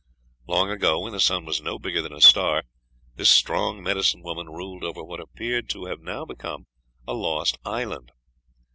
Long ago, when the sun was no bigger than a star, this strong medicine woman ruled over what appears to have now become a lost island.